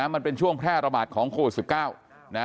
มันเป็นช่วงแพร่ระบาดของโควิด๑๙นะ